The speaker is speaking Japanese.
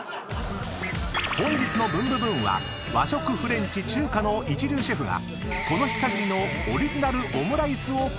［本日の『ブンブブーン！』は和食・フレンチ・中華の一流シェフがこの日限りのオリジナルオムライスを考案！］